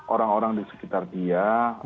orang orang di sekitar dia